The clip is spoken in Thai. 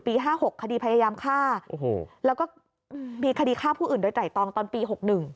ปีห้าหกคดีพยายามฆ่าแล้วก็มีคดีฆ่าผู้อื่นโดยไตรตองตอนปีหกหนึ่ง